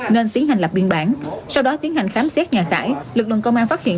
nên tiến hành lập biên bản sau đó tiến hành khám xét nhà tải lực lượng công an phát hiện